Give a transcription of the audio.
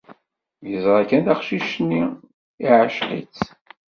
Yeẓra kan tacict-nni, iɛceq-itt.